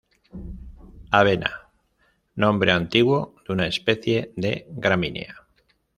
Avena: nombre antiguo de una especie de gramínea.